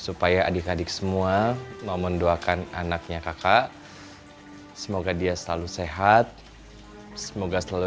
supaya adik adik semua mau mendoakan anaknya kakak semoga dia selalu sehat semoga selalu